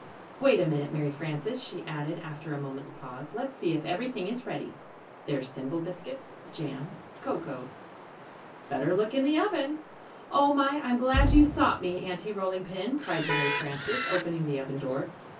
Wait a minute, Mary Frances," she added after a moment's pause. "Let's see if everything is ready. There's Thimble Biscuits Jam Cocoa "Better look in the oven!" [Illustration: "Better look in the oven!"] "Oh, my, I'm glad you 'thought me,' Aunty Rolling Pin," cried Mary Frances, opening the oven door.